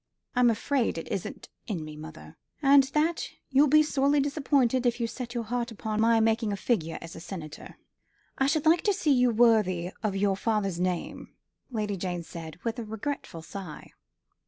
I'm afraid it isn't in me, mother, and that you'll be sorely disappointed if you set your heart upon my making a figure as a senator." "I should like to see you worthy of your father's name," Lady Jane said, with a regretful sigh.